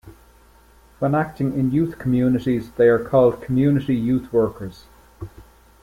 When acting in youth communities, they are called Community youth workers.